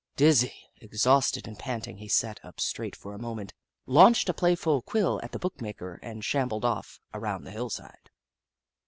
Dizzy, exhausted, and panting, he sat up straight for a moment, launched a playful quill at the bookmaker, and shambled off around the hillside.